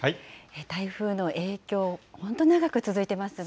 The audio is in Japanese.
台風の影響、本当、長く続いていますね。